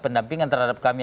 pendampingan terhadap kami